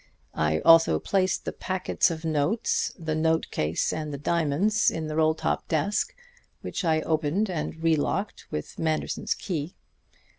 I also placed the packets of notes, the note case and the diamonds in the roll top desk, which I opened and re locked with Manderson's key.